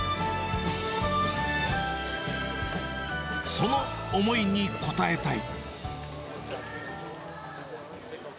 その思いに応えたい。